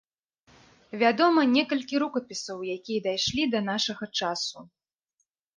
Вядома некалькі рукапісаў, якія дайшлі да нашага часу.